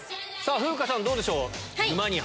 風花さんどうでしょう？